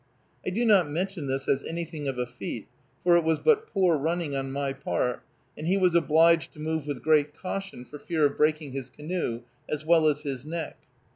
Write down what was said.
I do not mention this as anything of a feat, for it was but poor running on my part, and he was obliged to move with great caution for fear of breaking his canoe as well as his neck.